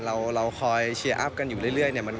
เราคอยเชียร์อัพกันอยู่เรื่อยเนี่ย